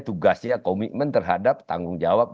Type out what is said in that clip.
tugasnya komitmen terhadap tanggung jawab